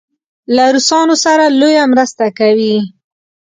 له روسانو سره لویه مرسته کوي.